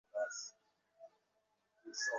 সবচেয়ে ভালো হয় কী করলে জানেন?